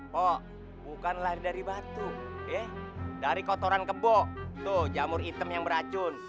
kok bukan lahir dari batu ye dari kotoran kebok tuh jamur item yang beracun